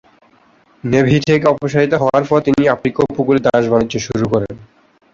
Navy থেকে অপসারিত হওয়ার পর তিনি আফ্রিকা উপকূলে দাস বাণিজ্য শুরু করেন।